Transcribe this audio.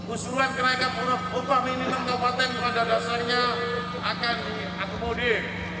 usulan kenaikan upah minimum kabupaten pada dasarnya akan diakomodir